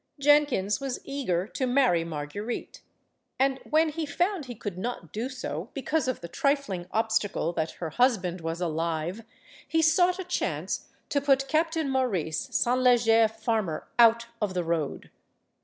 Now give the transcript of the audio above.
Jenkins was eager to marry Marguerite. And when he found he could not do so, because of the trifling obstacle that her husband was alive, he sought a chance to put Captain Maurice St. Leger Farmer out of the road.